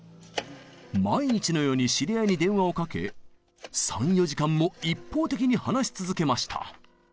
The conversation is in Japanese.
毎日のように知り合いに電話をかけ３４時間も一方的に話し続けました。